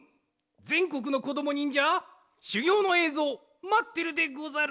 ぜんこくのこどもにんじゃしゅぎょうのえいぞうまってるでござる！